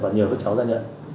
và nhờ các cháu ra nhận